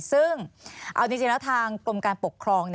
ซึ่งเอาจริงแล้วทางกรมการปกครอง